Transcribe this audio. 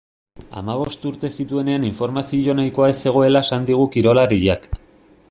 Hamabost urte zituenean informazio nahikoa ez zegoela esan digu kirolariak.